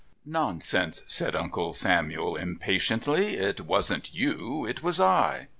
"Nonsense!" said Uncle Samuel impatiently. "It wasn't you; it was I."